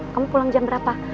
kamu pulang jam berapa